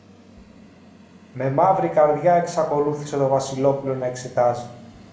Με μαύρη καρδιά εξακολούθησε το Βασιλόπουλο να εξετάζει.